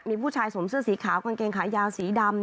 มีผู้ชายสวมเสื้อสีขาวกางเกงขายาวสีดำ